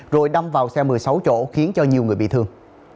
rồi đâm vào xe một mươi sáu chỗ khiến cho nhiều người bị thương